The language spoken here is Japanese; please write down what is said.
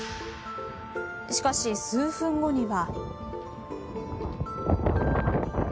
しかし、数分後には。